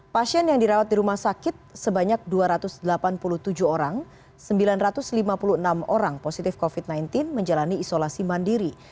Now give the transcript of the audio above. pasien yang dirawat di rumah sakit sebanyak dua ratus delapan puluh tujuh orang sembilan ratus lima puluh enam orang positif covid sembilan belas menjalani isolasi mandiri